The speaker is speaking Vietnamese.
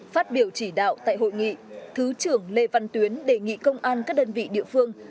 phát biểu chỉ đạo tại hội nghị thứ trưởng lê văn tuyến đề nghị công an các đơn vị địa phương